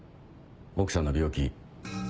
奥さんの病気。